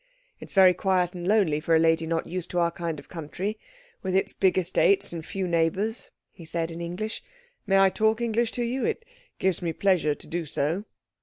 "It is very quiet and lonely for a lady not used to our kind of country, with its big estates and few neighbours," he said in English. "May I talk English to you? It gives me pleasure to do so."